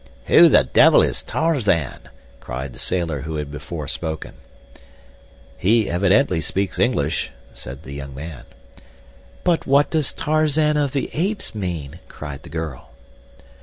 "Who the devil is Tarzan?" cried the sailor who had before spoken. "He evidently speaks English," said the young man. "But what does 'Tarzan of the Apes' mean?" cried the girl.